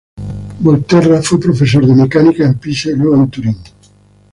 Volterra fue profesor de mecánica en Pisa y luego en Turín.